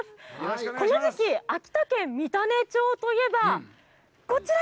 この時期、秋田県三種町といえば、こちら！